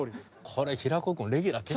これ平子君レギュラー決定。